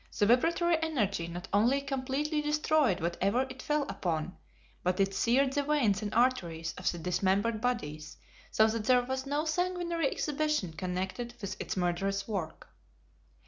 The vibratory energy, not only completely destroyed whatever it fell upon but it seared the veins and arteries of the dismembered bodies so that there was no sanguinary exhibition connected with its murderous work.